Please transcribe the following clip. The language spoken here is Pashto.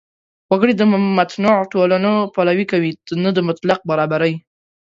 وګړي د متنوع ټولنو پلوي کوي، نه د مطلق برابرۍ.